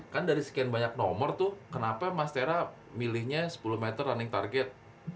kan dari sekian banyak nomor tuh kenapa mas tera milihnya sepuluh meter running target